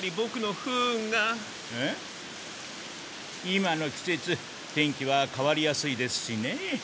今の季節天気はかわりやすいですしね。